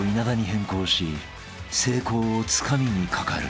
［成功をつかみにかかる］